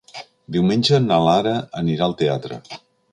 Diumenge na Lara anirà al teatre.